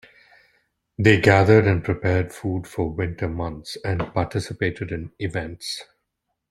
They gathered and prepared food for winter months and participated in events.